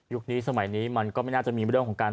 นี้สมัยนี้มันก็ไม่น่าจะมีเรื่องของการ